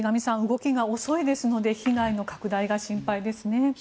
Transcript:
動きが遅いので被害の拡大が心配ですね。